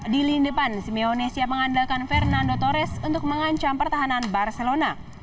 di lini depan simeone siap mengandalkan fernando torres untuk mengancam pertahanan barcelona